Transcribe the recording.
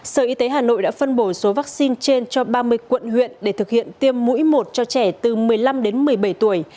sở y tế hà nội đã phân bổ số vaccine trên cho ba mươi quận huyện để thực hiện tiêm mũi một cho trẻ từ một mươi năm đến một mươi bảy tuổi